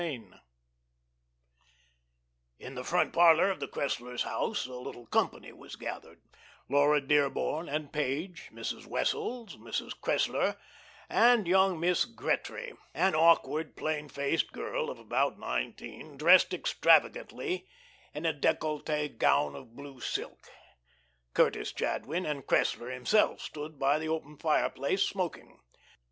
IV In the front parlor of the Cresslers' house a little company was gathered Laura Dearborn and Page, Mrs. Wessels, Mrs. Cressler, and young Miss Gretry, an awkward, plain faced girl of about nineteen, dressed extravagantly in a decollete gown of blue silk. Curtis Jadwin and Cressler himself stood by the open fireplace smoking.